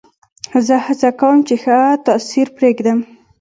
زه هڅه کوم، چي ښه تاثیر پرېږدم.